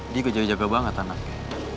dia kejaga jaga banget anaknya